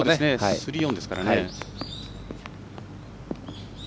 ３オンですからね。